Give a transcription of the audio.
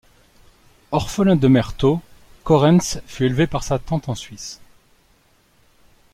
Orphelin de mère tôt, Correns fut élevé par sa tante en Suisse.